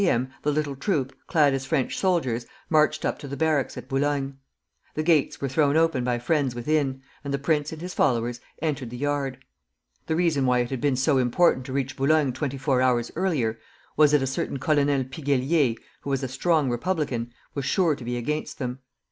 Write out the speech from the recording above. M. the little troop, clad as French soldiers, marched up to the barracks at Boulogne. The gates were thrown open by friends within, and the prince and his followers entered the yard. The reason why it had been so important to reach Boulogne twenty four hours earlier, was that a certain Colonel Piguellier, who was a strong republican, was sure to be against them.